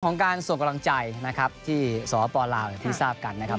ของการส่งกำลังใจนะครับที่สปลาวอย่างที่ทราบกันนะครับ